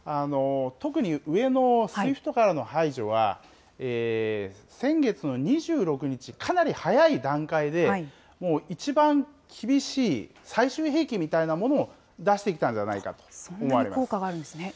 特に上のＳＷＩＦＴからの排除は、先月の２６日、かなり早い段階で、もう一番厳しい、最終兵器みたいなものを出してきたんじゃないかと思われます。